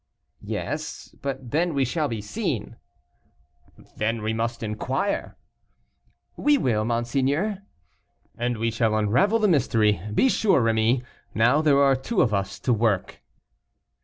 "Yes; but then we shall be seen." "Then we must inquire." "We will, monseigneur." "And we shall unravel the mystery. Be sure, Rémy, now there are two of us to work."